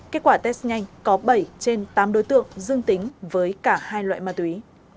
kết quả test nhanh có bảy trên tám đối tượng dương tính với cả hai loại ma túy